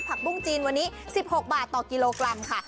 ปุ้งจีนวันนี้๑๖บาทต่อกิโลกรัมค่ะ